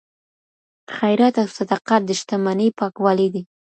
خیرات او صدقات د شتمنۍ پاکوالی دی.